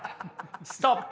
ストップ。